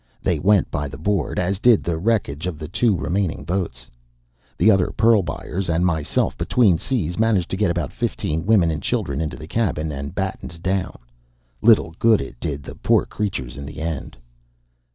They went by the board, as did the wreckage of the two remaining boats. The other pearl buyers and myself, between seas, managed to get about fifteen women and children into the cabin, and battened down. Little good it did the poor creatures in the end.